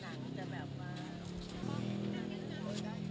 แล้วให้เหลือก่อนหนึ่งมาพบ